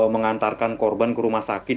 mengantarkan korban ke rumah sakit